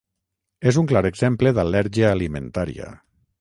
És un clar exemple d'al·lèrgia alimentària.